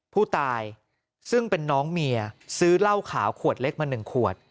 ผู้ตายซึ่งเป็นน้องเมียซื้อเหล้าขาวขวดเล็กมา๑ขวด